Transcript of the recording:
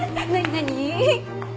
何？